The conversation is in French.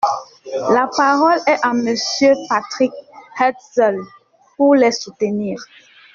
La parole est à Monsieur Patrick Hetzel, pour les soutenir.